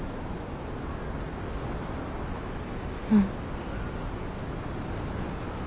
うん。